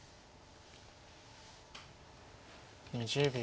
２０秒。